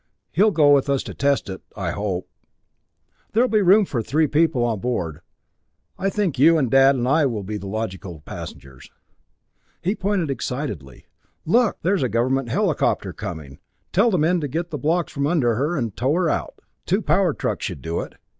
He'll go with us to test it I hope. There will be room for three other people aboard, and I think you and Dad and I will be the logical passengers." He pointed excitedly. "Look, there's a government helicopter coming. Tell the men to get the blocks from under her and tow her out. Two power trucks should do it.